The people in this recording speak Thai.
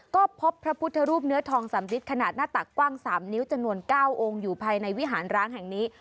ก็พบพระพุทธรูปเนื้อทองสำลิดขนาดหน้าตักกว้าง๓นิ้วจำนวน๙องค์อยู่ภายในวิหารร้างแห่งนี้